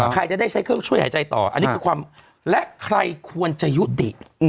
ใครจะได้ใช้เครื่องช่วยหายใจต่ออันนี้คือความและใครควรจะยุติ